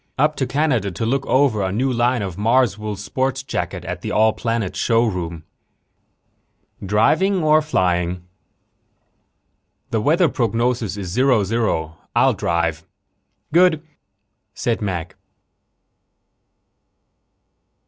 Up to Canada to look over a new line of Marswool sport jackets at the All Planets Showroom." "Driving or flying?" "The weather prognosis is zero zero. I'll drive." "Good," said Mac.